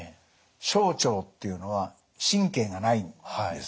小腸っていうのは神経がないんです。